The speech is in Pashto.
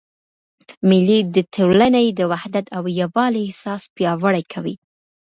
مېلې د ټولني د وحدت او یووالي احساس پیاوړی کوي.